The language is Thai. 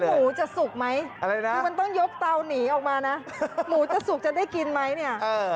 หมูจะสุกไหมอะไรนะคือมันต้องยกเตาหนีออกมานะหมูจะสุกจะได้กินไหมเนี่ย